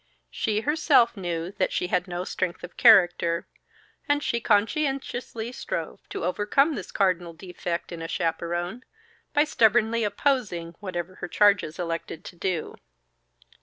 She herself knew that she had no strength of character; and she conscientiously strove to overcome this cardinal defect in a chaperon, by stubbornly opposing whatever her charges elected to do.